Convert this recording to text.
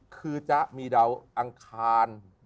คือจะมีดาวอังคาร